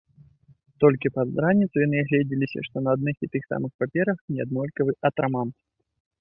Толькі пад раніцу яны агледзеліся, што на адных і тых самых паперах неаднолькавы атрамант.